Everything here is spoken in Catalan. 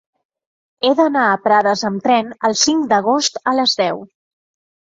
He d'anar a Prades amb tren el cinc d'agost a les deu.